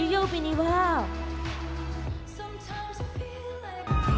先週水曜日には。